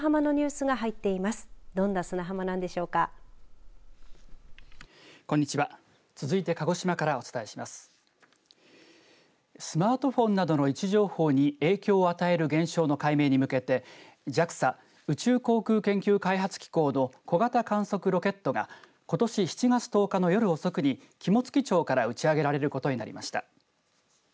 スマートフォンなどの位置情報に影響を与える現象の解明に向けてＪＡＸＡ宇宙航空研究開発機構の小型観測ロケットがことし７月１０日の夜遅くに肝付町から打ち上げられることになりました。